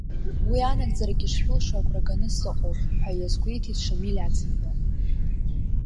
Уи анагӡарагьы шшәылшо агәра ганы сыҟоуп, ҳәа иазгәеиҭеит Шамиль Аӡынба.